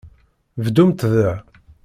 Bdumt da.